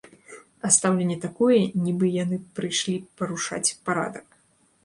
А стаўленне такое, нібы яны прыйшлі парушаць парадак.